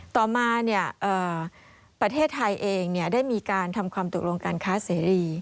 ต่อมาประเทศไทยเองได้มีการทำความตกลงการค้าเสรี